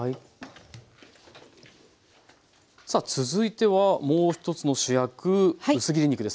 さあ続いてはもう一つの主役薄切り肉ですね。